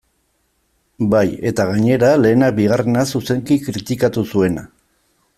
Bai, eta gainera, lehenak bigarrena zuzenki kritikatu zuena.